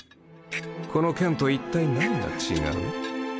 この剣と一体何が違う？